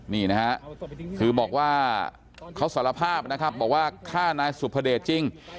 นี่นะฮะคือบอกว่าเขาสารภาพนะครับบอกว่าฆ่านายสุภเดชจริง